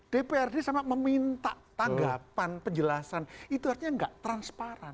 dprd sama meminta tanggapan penjelasan itu artinya nggak transparan